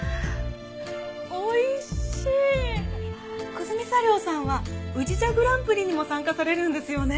久住茶寮さんは宇治茶グランプリにも参加されるんですよね？